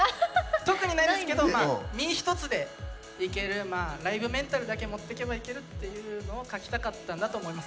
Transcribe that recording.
特にないんですけど身一つで行けるライブメンタルだけ持って行けばいけるっていうのを書きたかったんだと思います。